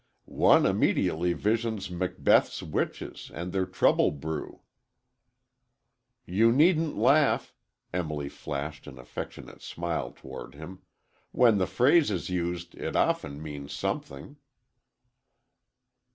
"One immediately visions Macbeth's witches, and their trouble brew." "You needn't laugh," Emily flashed an affectionate smile toward him, "when the phrase is used it often means something."